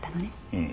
うん。